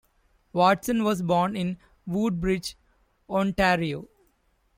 Watson was born in Woodbridge, Ontario.